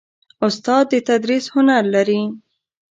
استاد د تدریس هنر لري.